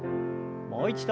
もう一度。